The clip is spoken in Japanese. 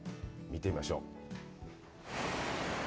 見てみましょう。